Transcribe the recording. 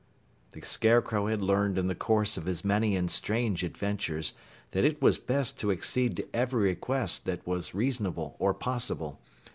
The Scarecrow had learned in the course of his many and strange adventures that it was best to accede to every request that was reasonable or possible.